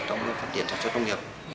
trong phát triển sản xuất công nghiệp